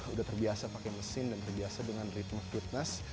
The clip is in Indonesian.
udah terbiasa pakai mesin dan terbiasa dengan ritme fitness